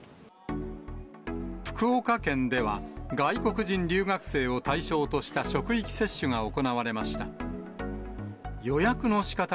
福岡県では、外国人留学生を対象とした職域接種が行われました。